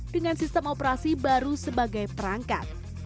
dengan sistem operasi baru sebagai perangkat